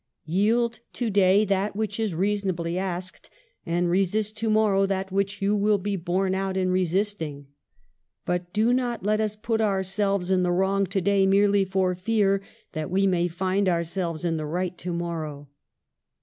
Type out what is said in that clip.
"Yield to day that which is reasonably asked, and resist to morrow that which you will be borne out in resisting, but do not let us put ourselves in the wrong to day merely for fear that we may find ourselves in the right to morrow."